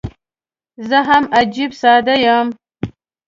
زه هم عجيب ساده یم.